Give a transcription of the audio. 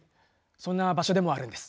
そんな場所でもあるんです。